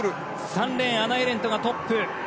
３レーンアナ・エレントがトップ。